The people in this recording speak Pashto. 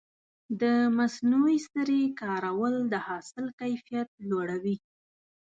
د عضوي سرې کارول د حاصل کیفیت لوړوي.